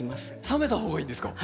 冷めた方がいいんですか？